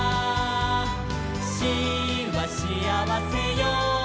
「『シ』はしあわせよ」